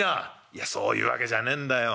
「いやそういうわけじゃねえんだよ。